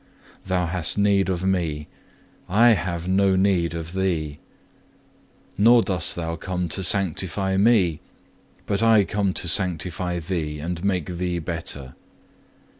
Thou hast need of Me, I have no need of thee. Nor dost thou come to sanctify Me, but I come to sanctify thee and make thee better.